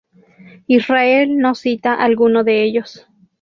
Israel no cita a alguno de ellos.